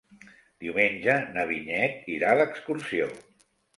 Diumenge na Vinyet irà d'excursió.